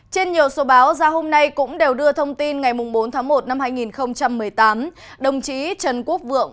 trên nhiều số báo ra hôm nay cũng đều đưa thông tin ngày bốn tháng một năm hai nghìn một mươi tám đồng chí trần quốc vượng